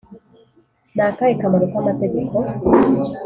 ni akahe kamaro k’amategeko